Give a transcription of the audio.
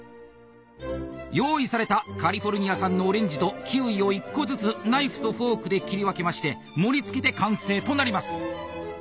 用意されたカリフォルニア産のオレンジとキウイを１個ずつナイフとフォークで切り分けまして盛り付けて完成となります。